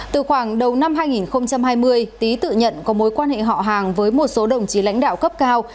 từ khoảng đầu năm hai nghìn hai mươi tý tự nhận có mối quan hệ họ hàng với một số đồng chí lãnh đạo cấp cao